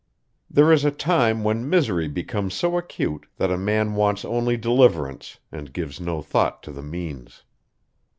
There is a time when misery becomes so acute that a man wants only deliverance and gives no thought to the means.